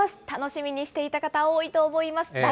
楽しみにしていた方、多いと思います。